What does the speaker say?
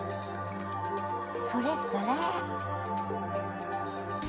それそれ。